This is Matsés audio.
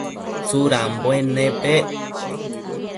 Tsudambuen nepec ?